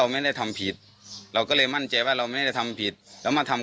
ไม่คิดหรอกครับเอาไปทำที่อื่น